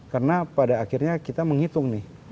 karena pada akhirnya kita menghitung nih